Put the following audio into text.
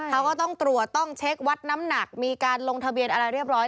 เขาก็ต้องตรวจต้องเช็ควัดน้ำหนักมีการลงทะเบียนอะไรเรียบร้อย